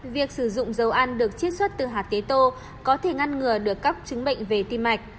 việc sử dụng dầu ăn được chiết xuất từ hạt tế tô có thể ngăn ngừa được các chứng bệnh về tim mạch